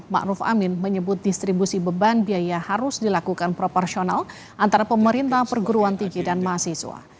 ⁇ maruf amin menyebut distribusi beban biaya harus dilakukan proporsional antara pemerintah perguruan tinggi dan mahasiswa